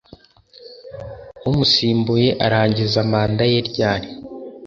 umusimbuye arangiza manda ye ryari